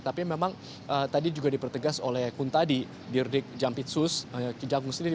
tapi memang tadi juga dipertegas oleh kuntadi dirdik jampitsus kejagung sendiri